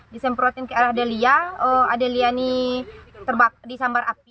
disemprotin ke arah adelia adelia ini disambar api